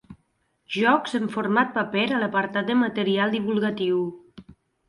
Jocs en format paper a l'apartat de material divulgatiu.